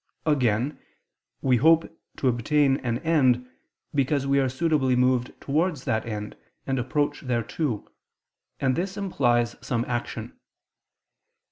Again, we hope to obtain an end, because we are suitably moved towards that end, and approach thereto; and this implies some action.